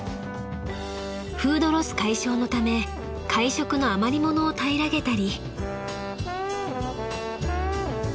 ［フードロス解消のため会食の余りものを平らげたり］